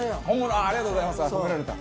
ありがとうございます。